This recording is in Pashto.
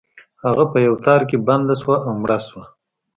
هغه په یو تار کې بنده شوه او مړه شوه.